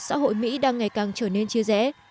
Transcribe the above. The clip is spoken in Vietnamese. xã hội mỹ đang ngày càng trở nên chia rẽ